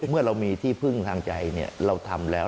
เมื่อเรามีที่พึ่งทางใจเราทำแล้ว